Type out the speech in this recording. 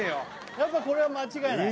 やっぱこれは間違えない？